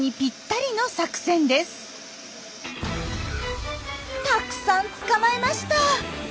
たくさん捕まえました。